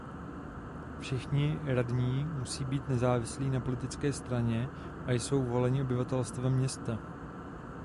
Všichni radní musí být nezávislí na politické straně a jsou voleni obyvatelstvem města.